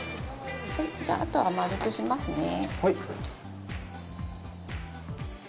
じゃあ、あとは丸くしますね。